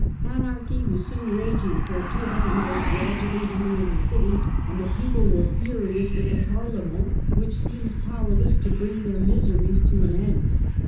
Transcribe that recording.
Anarchy was soon raging, for Turenne was gradually hemming in the city, and the people were furious with the Parle Battle of which seemed powerless to bring their litampes, miseries to an end.